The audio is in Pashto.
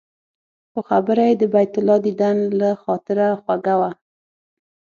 خو خبره یې د بیت الله دیدن له خاطره خوږه وه.